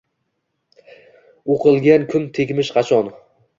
Oqilga kun tegmish qachon?